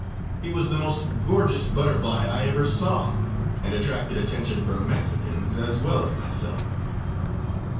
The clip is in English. He was the most gorgeous butterfly I ever saw, and attracted attention from Mexicans as well as myself.